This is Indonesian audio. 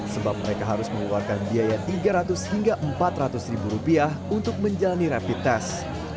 sebab mereka harus mengeluarkan biaya tiga ratus hingga empat ratus ribu rupiah untuk menjalani rapid test